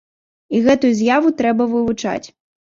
І гэтую з'яву трэба вывучаць.